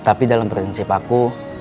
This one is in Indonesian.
tapi dalam prinsip aku